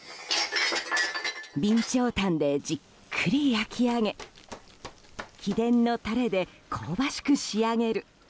備長炭でじっくり焼き上げ秘伝のタレで香ばしく仕上げる。